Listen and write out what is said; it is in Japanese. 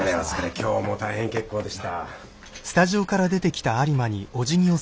今日も大変結構でした。